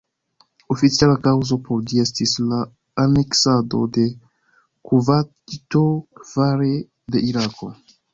Oficiala kaŭzo por ĝi estis la aneksado de Kuvajto fare de Irako.